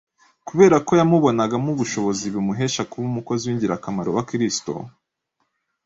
kubera ko yamubonagamo ubushobozi bumuhesha kuba umukozi w’ingirakamaro wa Kristo